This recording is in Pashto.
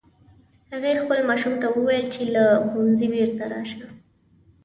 هغې خپل ماشوم ته وویل چې له ښوونځي بیرته راشه